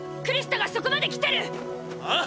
クリスタがそこまで来てる！！